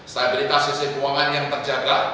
stabilitas sistem uangan yang terjaga